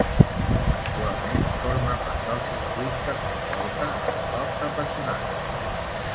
Actualment forma part del circuit que fa la volta al Roc de Pessonada.